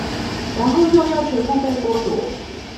然後又要全部被剝奪